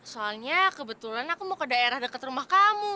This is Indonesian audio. soalnya kebetulan aku mau ke daerah dekat rumah kamu